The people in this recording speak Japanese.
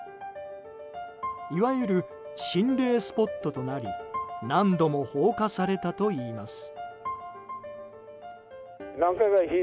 いわゆる心霊スポットとなり何度も放火されたといいます。